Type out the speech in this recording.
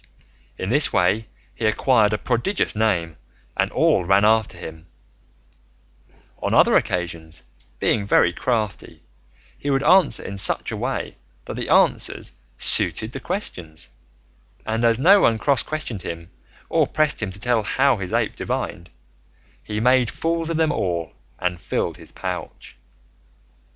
In this way he acquired a prodigious name and all ran after him; on other occasions, being very crafty, he would answer in such a way that the answers suited the questions; and as no one cross questioned him or pressed him to tell how his ape divined, he made fools of them all and filled his pouch.